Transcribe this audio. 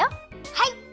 はい！